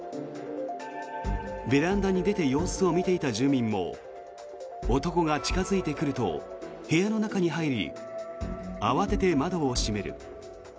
ベランダに出て様子を見ていた住民も男が近付いてくると部屋の中に入り慌てて窓を閉める。